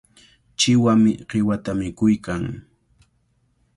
Chiwami qiwata mikuykan.